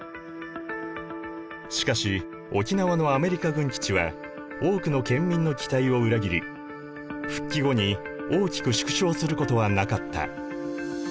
しかし沖縄のアメリカ軍基地は多くの県民の期待を裏切り復帰後に大きく縮小することはなかった。